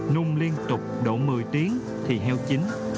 nung liên tục đổ một mươi tiếng thì heo chín